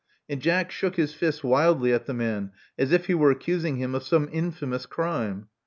" And Jack shook his fists wildly at the man as if he were accusing him of some infamous crime.